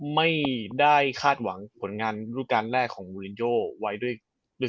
ไม่ได้คาดหวังผลงานรูปการณ์แรกของมูลินโยไว้ด้วย